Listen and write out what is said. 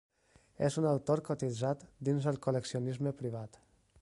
És un autor cotitzat dins el col·leccionisme privat.